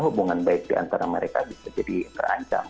hubungan baik diantara mereka bisa jadi terancam